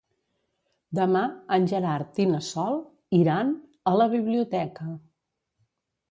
Demà en Gerard i na Sol iran a la biblioteca.